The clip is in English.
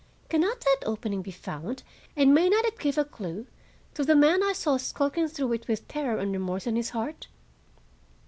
Can not that opening be found, and may it not give a clue to the man I saw skulking through it with terror and remorse in his heart?"